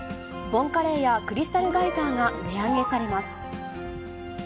ボンカレーやクリスタルガイザーが値上げされます。